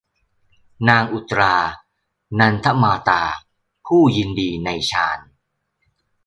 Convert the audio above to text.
นางอุตตรา นันทมาตา ผู้ยินดีในฌาน